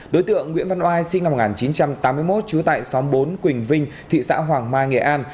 đối tượng nguyễn văn oai sinh năm một nghìn chín trăm tám mươi một trú tại xóm bốn quỳnh vinh thị xã hoàng mai nghệ an